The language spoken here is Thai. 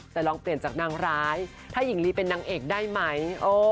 แต่ลองเปลี่ยนจากนางร้ายถ้าหญิงลีเป็นนางเอกได้ไหม